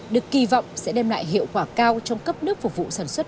được kỳ vọng sẽ đem lại hiệu quả cao trong cấp nước phục vụ sản xuất